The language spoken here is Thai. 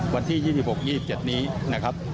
วันที่๒๖๒๗นี้นะครับ